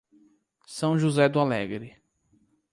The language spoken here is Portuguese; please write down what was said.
São José do Alegre